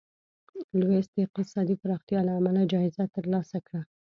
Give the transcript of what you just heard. لویس د اقتصادي پراختیا له امله جایزه ترلاسه کړه.